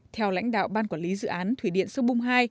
theo lãnh đạo ban quản lý dự án thủy điện sông bung hai